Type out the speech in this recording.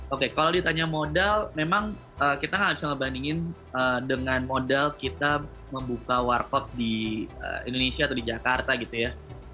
oke kalau ditanya modal memang kita nggak bisa ngebandingin dengan modal kita membuka warcode di indonesia atau di jakarta gitu ya